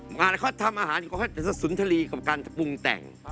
อาหารเขาทำอาหารก็เป็นสุนทรีกับการปรุงแต่ง